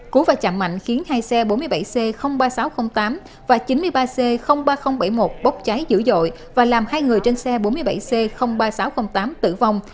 cú và chạm mạnh khiến hai xe bốn mươi bảy c ba nghìn sáu trăm linh tám và chín mươi ba c ba nghìn bảy mươi một bốc cháy dữ dội và làm hai người trên xe bốn mươi bảy c ba nghìn sáu trăm linh tám tử vong